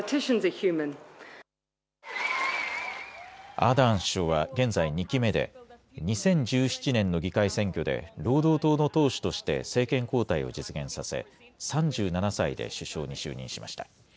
アーダーン首相は現在２期目で２０１７年の議会選挙で労働党の党首として政権交代を実現させ３７歳で首相に就任しました。